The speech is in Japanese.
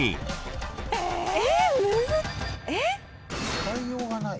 使いようがない？